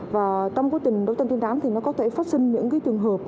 và trong quá trình đấu tranh trinh đám thì nó có thể phát sinh những cái trường hợp